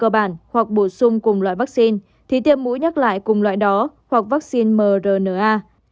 liều cơ bản hoặc bổ sung cùng loại vắc xin thì tiêm mũi nhắc lại cùng loại đó hoặc vắc xin mrna